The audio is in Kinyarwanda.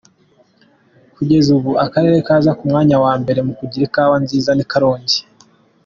Kugeza ubu akarere kaza ku mwanya wa mbere mu kugira Kawa nziza ni Karongi.